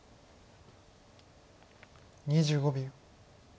２５秒。